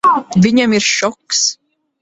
Viņam ir šoks.